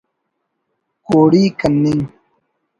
کوڑی کننگ